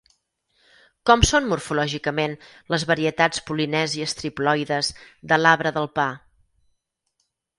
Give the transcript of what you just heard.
Com són morfològicament les varietats polinèsies triploides de l'arbre del pa?